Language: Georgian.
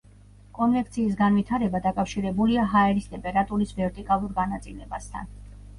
კონვექციის განვითარება დაკავშირებულია ჰაერის ტემპერატურის ვერტიკალურ განაწილებასთან.